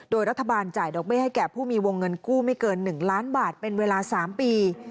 โดยรัฐบาลจ่ายดอกเบี้ให้แก่ผู้มีวงเงินกู้ไม่เกิน๑ล้านบาทเป็นเวลา๓ปี